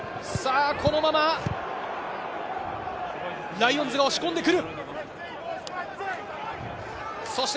ライオンズが押し込んでくる。